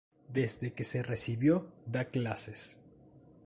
Desde que se recibió da clases.